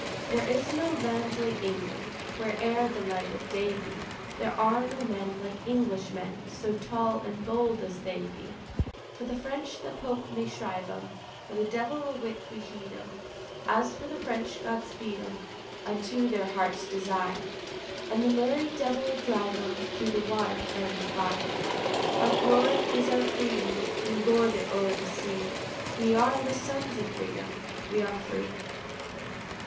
There is no land like England Where'er the light of day be; There are no men like Englishmen, So tall and bold as they be. Chorus. For the French the Pope may shrive 'em, For the devil a whit we heed 'em, As for the French, God speed 'em Unto their hearts' desire, And the merry devil drive 'em Through the water and the fire. Chorus. Our glory is our freedom, We lord it o'er the sea; We are the sons of freedom, We are free.